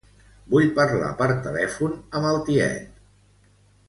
Vull parlar per telèfon amb el tiet.